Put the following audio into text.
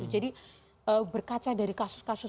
jadi berkaca dari kasus kasus